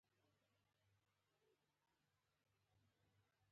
هغوی د اسنادو د ثبت تګلارې جوړې کړې.